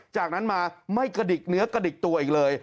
จากนั้นมาไม่กระดิกเนื้อกระดิกตัวอีกเลย